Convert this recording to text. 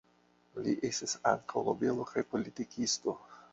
Li estis ankaŭ nobelo kaj politikisto.